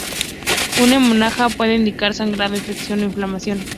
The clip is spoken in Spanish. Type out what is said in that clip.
Un hemograma puede indicar sangrado, infección, o inflamación.